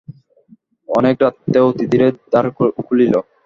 অনেক রাত্রে অতিধীরে দ্বার খুলিল।